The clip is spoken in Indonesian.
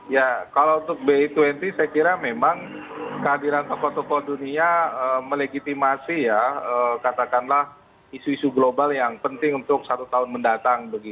ya kalau untuk b dua puluh saya kira memang kehadiran tokoh tokoh dunia melegitimasi ya katakanlah isu isu global yang penting untuk satu tahun mendatang